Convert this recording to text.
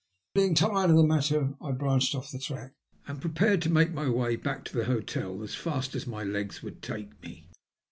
Then, being tired of the matter, I branched off the track, and prepared to make my way back to my hotel as fast as my legs would take me.